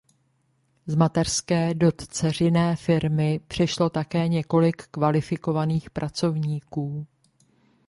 Z mateřské do dceřiné firmy přešlo také několik kvalifikovaných pracovníků.